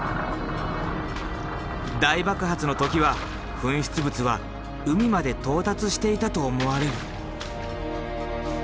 大爆発の時は噴出物は海まで到達していたと思われる。